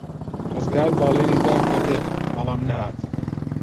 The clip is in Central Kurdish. ڕزگار بەڵێنی دا کە بێت، بەڵام نەهات.